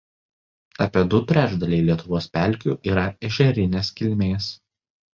Apie du trečdaliai Lietuvos pelkių yra ežerinės kilmės.